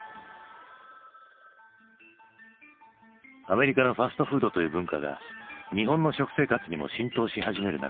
アメリカのファストフードという文化が日本の食生活にも浸透し始める中